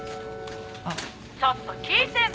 ☎ちょっと聞いてんの？